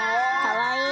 かわいい。